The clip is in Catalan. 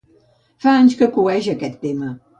Fa anys que cueja, aquest tema.